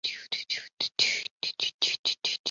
另外有很多插件可以用来扩展兼容性和功能。